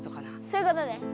そういうことです。